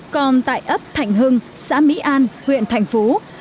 còn tại ấp thạnh hưng xã mỹ an huyện thành phú